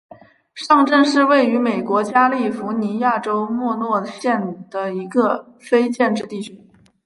上镇是位于美国加利福尼亚州莫诺县的一个非建制地区。